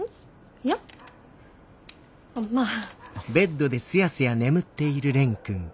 いやまあ。